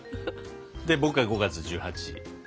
で僕が５月１８。